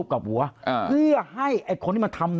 เสียชีวิต